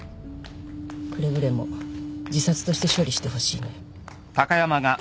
くれぐれも自殺として処理してほしいのよ